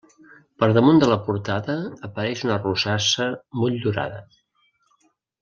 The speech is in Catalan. Per damunt de la portada apareix una rosassa motllurada.